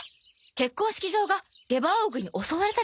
結婚式場がゲバオーグに襲われたですって？